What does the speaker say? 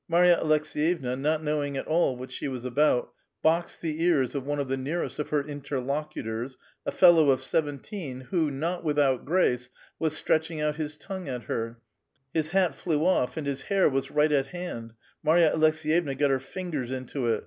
" Marya Aleks6yevna, not knowing at all what she was about, boxed the ears of one of the nearest of her interlocutors, — a fellow of seventeen, who, not without grace, was stretching out his tongue at her ; his hat flew off, and his hair was right at hand. Marya Aleks^yevna got her fingers into it.